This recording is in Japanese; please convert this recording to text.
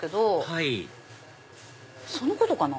はいそのことかな？